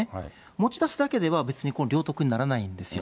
持ち出すだけでは、別にこの領得にならないんですよ。